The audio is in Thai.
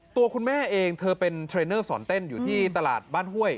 ตัวคุณแม่เองเธอเป็นเทรนเนอร์สอนเต้นอยู่ที่ตลาดบ้านห้วย